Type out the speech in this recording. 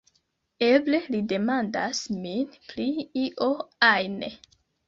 Eble li demandas min pri io ajn!"